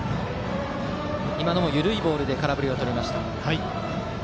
緩いボールで空振りをとりました。